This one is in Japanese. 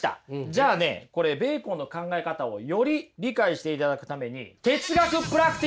じゃあねこれベーコンの考え方をより理解していただくために哲学プラクティスです！